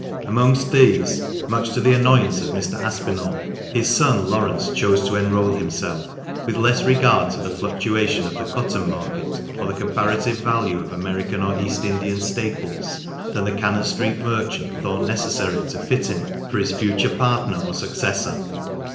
Amongst these, much to the annoyance of Mr. Aspinall, his son Laurence chose to enrol himself, with less regard to the fluctuation of the cotton market, or the comparative value of American or East Indian staples than the Cannon Street merchant thought necessary to fit him for his future partner or successor.